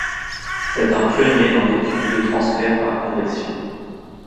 C'est un pionnier dans l'étude de transfert par convection.